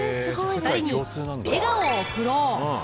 ２人に笑顔を送ろう。